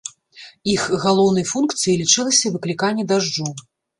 Іх галоўнай функцыяй лічылася выкліканне дажджу.